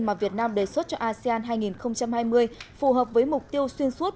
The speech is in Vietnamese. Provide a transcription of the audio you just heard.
mà việt nam đề xuất cho asean hai nghìn hai mươi phù hợp với mục tiêu xuyên suốt